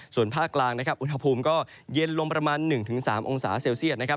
ส่วนภาคกลางอุณหภูมิก็เย็นลงประมาณ๑๓องศา